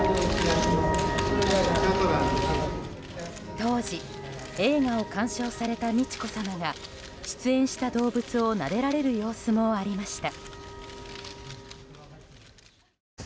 当時、映画を鑑賞された美智子さまが出演した動物をなでられる様子もありました。